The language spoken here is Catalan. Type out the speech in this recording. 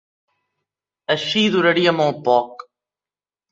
Així duraria molt poc.